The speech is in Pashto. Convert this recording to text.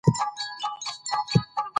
دا ژبه به هیڅکله درواغ ونه وایي.